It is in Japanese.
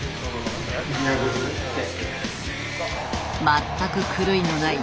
全く狂いのない